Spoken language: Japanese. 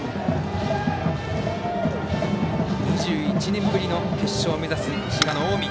２１年ぶりの決勝を目指す滋賀の近江。